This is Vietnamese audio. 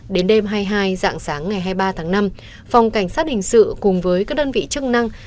đến đêm hai mươi hai dạng sáng ngày hai mươi ba tháng năm phòng cảnh sát hình sự cùng với các đơn vị chức năng